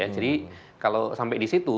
jadi kalau sampai disitu